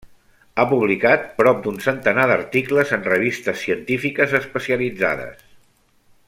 Ha publicat prop d'un centenar d'articles en revistes científiques especialitzades.